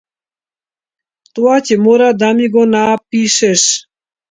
Тоа ќе мора да ми го напишеш.